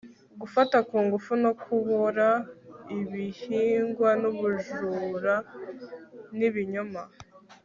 Gufata ku ngufu no kubora ibihingwa nubujura nibinyoma